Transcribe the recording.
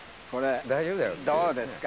どうですか？